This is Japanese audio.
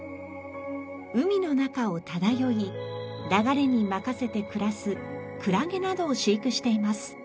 海の中を漂い流れに任せて暮らすクラゲなどを飼育しています。